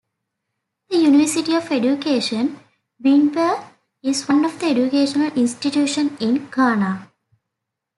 The University of Education, Winneba is one of the educational institutions in Ghana.